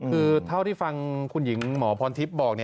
คือเท่าที่ฟังคุณหญิงหมอพรทิพย์บอก